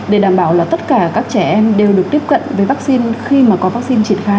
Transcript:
để đảm bảo là tất cả các trẻ em đều được tiếp cận với vaccine khi mà có vaccine triển khai